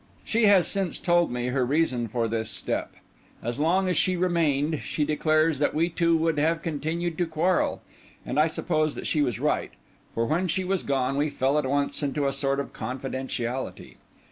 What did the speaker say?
She has since told me her reason for this step. As long as she remained, she declares that we two would have continued to quarrel; and I suppose that she was right, for when she was gone we fell at once into a sort of confidentiality.